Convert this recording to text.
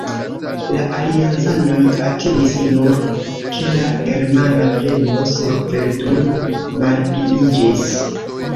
La aliancanoj atingis nur, ke la germana premo sur Verdun malpliiĝis.